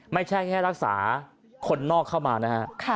ไม่แค่รักษาคนนอกเข้ามา